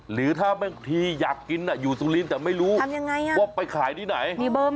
หรือถ้าบางทีอยากกินอยู่สุรินทร์แต่ไม่รู้ว่าไปขายที่ไหน